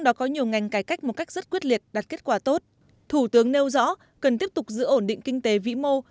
đã kết quả tốt thủ tướng nêu rõ cần tiếp tục giữ ổn định kinh tế vĩ mô